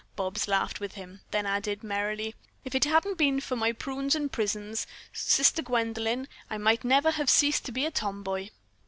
Bobs laughed with him, then added merrily, "If it hadn't been for my prunes and prisms, Sister Gwendolyn, I might never have ceased to be a tom boy."